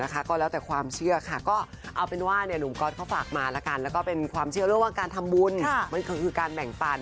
ก็แล้วแต่ความเชื่อค่ะก็เอาเป็นว่าหนุ่มก๊อตเขาฝากมาแล้วกันแล้วก็เป็นความเชื่อเรื่องว่าการทำบุญมันคือการแบ่งปัน